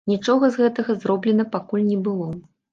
Нічога з гэтага зроблена пакуль не было.